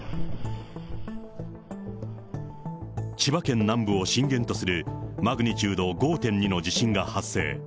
千葉県南部を震源とするマグニチュード５．２の地震が発生。